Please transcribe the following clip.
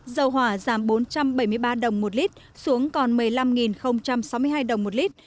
dầu hỏa giảm bốn trăm bảy mươi ba đồng một lít xuống còn một mươi năm sáu mươi hai đồng một lít